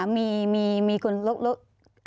มีคุณลดลด